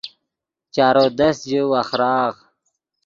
چارو دست ژے وخراغ